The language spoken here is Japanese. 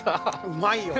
うまいよ。